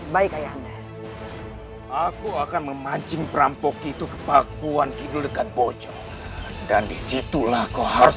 baik ayahnya aku akan memancing perampok itu ke pakuan kidul dekat bocor dan disitulah kau harus